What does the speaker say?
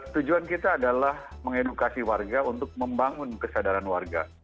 tujuan kita adalah mengedukasi warga untuk membangun kesadaran warga